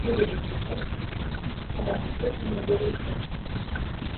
Wolverine más tarde, escapa de los Reavers sólo con ayuda de la joven Júbilo.